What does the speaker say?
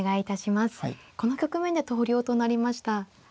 この局面で投了となりました。